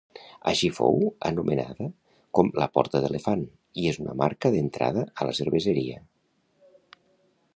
Així fou anomenada com La Porta d'Elefant i és una marca d'entrada a la cerveseria.